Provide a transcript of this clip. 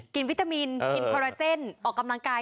วิตามินกินคอราเจนออกกำลังกาย